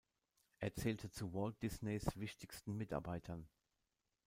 Er zählte zu Walt Disneys wichtigsten Mitarbeitern.